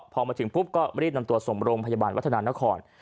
พอมาถึงปุ๊บก็รีบนำตัวส่งโรงพยาบาลวัฒนานคร